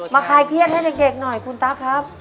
คลายเครียดให้เด็กหน่อยคุณตั๊กครับ